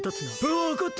わかったな。